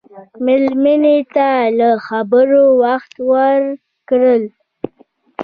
مېلمه ته له خبرو وخت ورکړه.